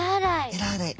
えら洗い。